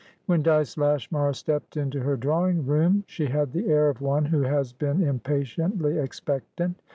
When Dyce Lashmar stepped into her drawing room, she had the air of one who has been impatiently expectant.